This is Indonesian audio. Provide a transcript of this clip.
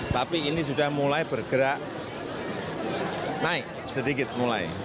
tapi ini sudah mulai bergerak naik sedikit mulai